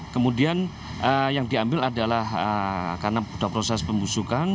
kemudian yang diambil adalah karena sudah proses pembusukan